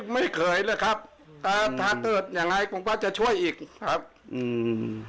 ไม่เคยเลยครับแต่ถ้าเกิดยังไงผมก็จะช่วยอีกครับอืม